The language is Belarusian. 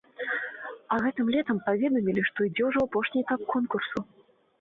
А гэтым летам паведамілі, што ідзе ўжо апошні этап конкурсу.